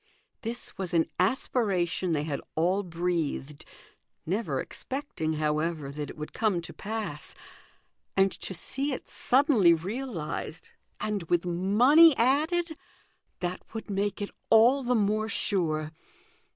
This was an aspiration they had all breathed, never expecting, however, that it would come to pass and to see it suddenly realized, and with 288 THE GOLDEN RULE. money added, that would make it all the more sure